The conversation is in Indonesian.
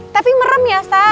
tapi merem ya sa